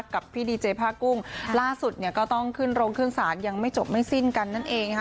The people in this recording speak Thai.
กับพี่ดีเจผ้ากุ้งล่าสุดเนี่ยก็ต้องขึ้นโรงขึ้นศาลยังไม่จบไม่สิ้นกันนั่นเองนะคะ